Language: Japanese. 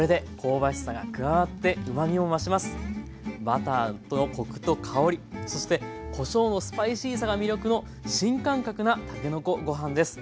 バターとコクと香りそしてこしょうのスパイシーさが魅力の新感覚なたけのこご飯です。